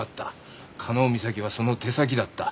「加納美咲はその手先だった」